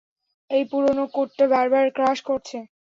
এই পুরনো কোডটা বারবার ক্র্যাশ করছে।